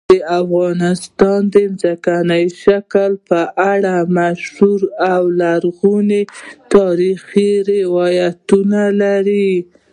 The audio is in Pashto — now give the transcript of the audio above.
افغانستان د ځمکني شکل په اړه مشهور او لرغوني تاریخی روایتونه لري.